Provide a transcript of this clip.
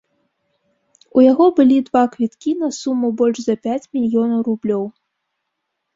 У яго былі два квіткі на суму больш за пяць мільёнаў рублёў.